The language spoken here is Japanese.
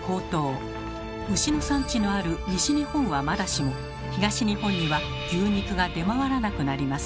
牛の産地のある西日本はまだしも東日本には牛肉が出回らなくなります。